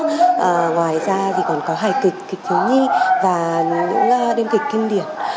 ngoài ra thì còn có hài kịch thiếu nhi và những đêm kịch kinh điển